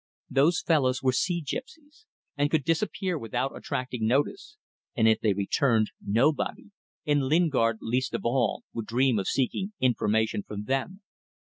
Those fellows were sea gipsies, and could disappear without attracting notice; and if they returned, nobody and Lingard least of all would dream of seeking information from them.